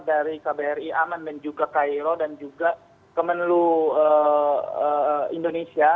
dari kbri aman dan juga cairo dan juga kemenlu indonesia